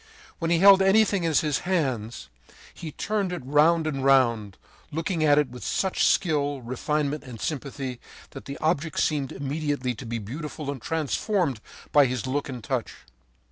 When he held anything in his hands, he turned it round and round, looking at it with such skill, refinement, and sympathy that the object seemed immediately to be beautiful and transformed by his look and touch.